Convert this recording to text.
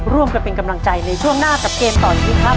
ร่วมกันเป็นกำลังใจในช่วงหน้ากับเกมต่อชีวิตครับ